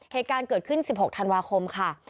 เหตุการณ์เกิดขึ้น๑๖ธันวาคมค่ะ